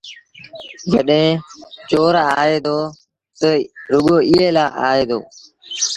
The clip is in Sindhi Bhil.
جڏهيݩٚ چور آئي دو تا رڳو ايٚئي لآ آئي دو